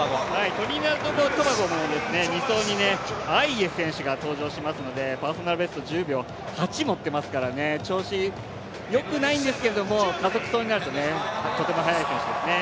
トリニダード・トバゴも２走にアイエ選手が登場しますのでパーソナルベスト１０秒８持っていますから、調子よくないですけど、加速層になると、とても速い選手ですね。